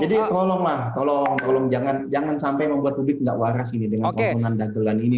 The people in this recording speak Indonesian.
jadi tolonglah tolong jangan sampai membuat publik nggak waras dengan konten dan dagelan ini